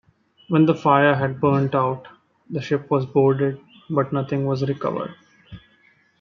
When the fire had burnt out, the ship was boarded but nothing was recovered.